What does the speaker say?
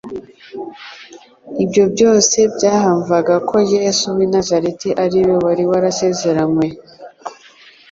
ibyo byose byahamvaga ko Yesu w'i Nazareti ariwe wari warasezeranywe.